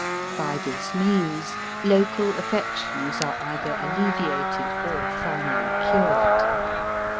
By this means local affec tions are either alleviated or finally cured.